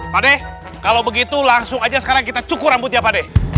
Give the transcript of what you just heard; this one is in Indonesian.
pak deh kalau begitu langsung aja sekarang kita cukur rambutnya pak deh